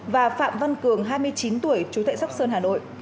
và phạm văn cường hai mươi chín tuổi chú tại sóc sơn hà nội